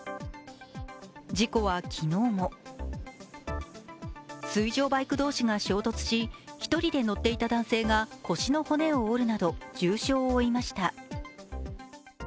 事故は昨日も水上バイク同士が衝突し１人で乗っていた男性が腰の骨を折るなど重傷を負いました。